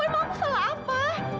emang kesalahan apa